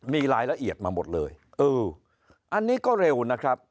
มีรายละเอียดมาหมดเลยเอออันนี้ก็เร็วนะครับ